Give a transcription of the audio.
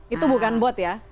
itu bukan bot ya